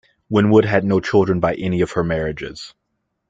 Winwood had no children by any of her marriages.